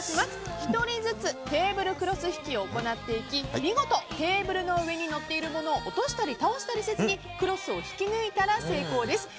１人ずつテーブルクロス引きを行っていき見事、テーブルの上に載っているものを落としたり倒したりせずにクロスを引き抜いたら成功です。